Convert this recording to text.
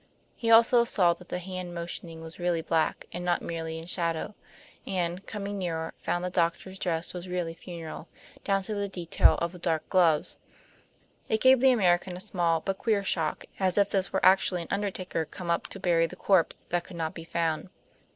He also saw that the hand motioning was really black, and not merely in shadow; and, coming nearer, found the doctor's dress was really funereal, down to the detail of the dark gloves. It gave the American a small but queer shock, as if this were actually an undertaker come up to bury the corpse that could not be found.